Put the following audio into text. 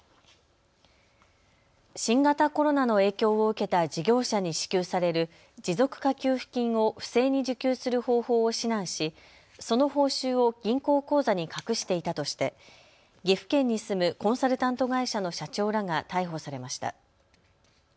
新型コロナの影響を受けた事業者に支給される持続化給付金を不正に受給する方法を指南しその報酬を銀行口座に隠していたとして岐阜県に住むコンサルタント会社の社長らが逮捕されました。